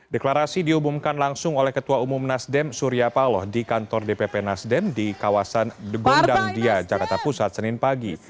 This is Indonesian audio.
deklarasi diumumkan langsung oleh ketua umum nasdem surya paloh di kantor dpp nasdem di kawasan degondang dia jakarta pusat senin pagi